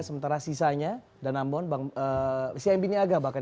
sementara sisanya dan namun si mb niaga bahkan lima belas dua puluh